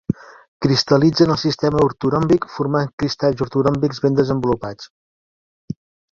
Cristal·litza en el sistema ortoròmbic formant cristalls ortoròmbics ben desenvolupats.